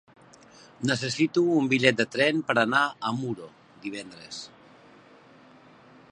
Necessito un bitllet de tren per anar a Muro divendres.